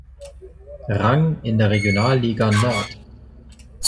Rang in der Regionalliga Nord.